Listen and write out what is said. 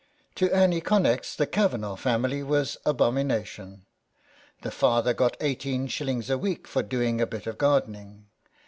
To Annie Connex the Kavanagh family was abomination. The father got i8s. a week for doing a bit of gardening.